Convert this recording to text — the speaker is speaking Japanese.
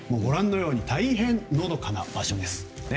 大変のどかな場所です。